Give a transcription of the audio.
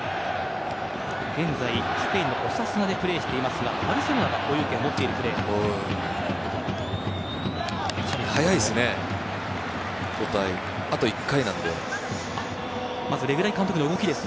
現在スペインのオサスナでプレーしていますがバルセロナが保有権を持っているプレーヤーです。